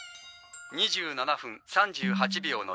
２７分３８秒の通話。